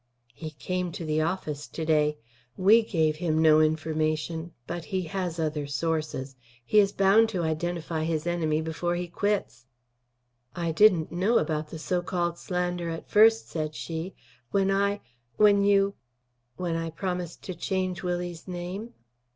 "He came to the office to day. We gave him no information; but he has other sources. He is bound to identify his enemy before he quits." "I didn't know about the so called slander at first," said she, "when I when you " "When I promised to change Willie's name?"